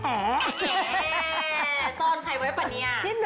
แต่ซ่อนใครไว้ป่ะเนี่ย